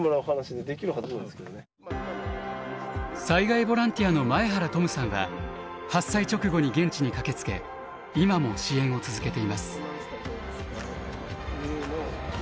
災害ボランティアの前原土武さんは発災直後に現地に駆けつけ今も支援を続けています。